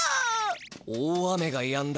「大雨がやんだ